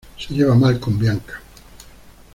Se lleva mal con Bianca.